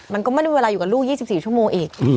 มันก็ไม่ได้มีเวลาอยู่กับลูก๒๔ชั่วโมงอีก